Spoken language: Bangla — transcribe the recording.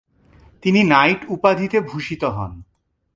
তিনি নাইট উপাধিতে ভূষিত হন।